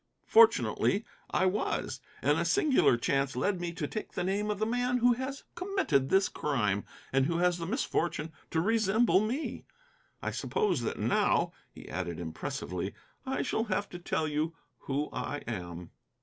Fortunately I was. And a singular chance led me to take the name of the man who has committed this crime, and who has the misfortune to resemble me. I suppose that now," he added impressively, "I shall have to tell you who I am."